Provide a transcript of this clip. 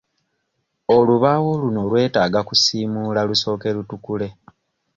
Olubaawo luno lwetaaga kusiimuula lusooke lutukule.